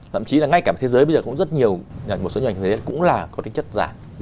thậm chí là ngay cả thế giới bây giờ cũng rất nhiều một số những hình ảnh thế giới cũng là có tính chất giả